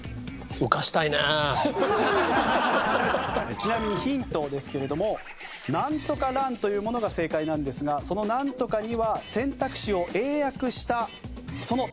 ちなみにヒントですけれども「なんとかラン」というものが正解なんですがその「なんとか」には選択肢を英訳したその単語が入ります。